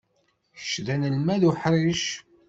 Kečč d anelmad uḥric.